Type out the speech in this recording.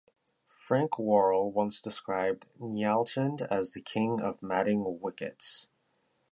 Frank Worrell once described Nyalchand as the 'king of matting wickets'.